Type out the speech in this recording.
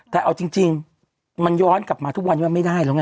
แต่เอาจริงมันย้อนกลับมาทุกวันนี้มันไม่ได้แล้วไง